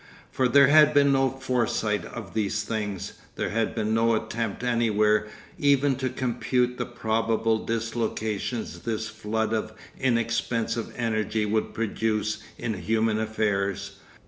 For there had been no foresight of these things. There had been no attempt anywhere even to compute the probable dislocations this flood of inexpensive energy would produce in human affairs.